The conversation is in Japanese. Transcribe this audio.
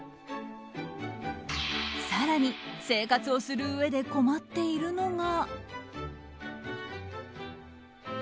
更に、生活をするうえで困っているのが。